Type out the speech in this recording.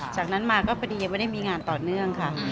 จากนั้นมาก็พอดียังไม่ได้มีงานต่อเนื่องค่ะ